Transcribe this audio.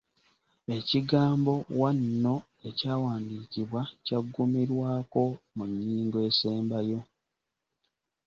Ekigambo 'wanno' ekyawandiikibwa kyaggumirwako mu nnyingo esembayo